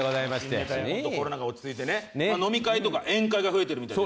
コロナが落ち着いてね飲み会とか宴会が増えてるみたいで。